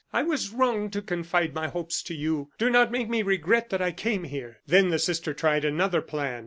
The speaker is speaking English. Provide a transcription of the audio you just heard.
I was wrong to confide my hopes to you. Do not make me regret that I came here." Then the sister tried another plan.